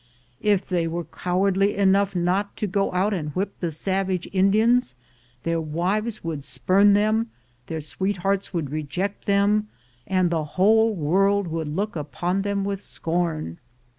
If they were cowardly enough not to go out and whip the savage Indians, their wives would spurn them, their sweethearts would reject them, and the whole world would look upon them with scorn.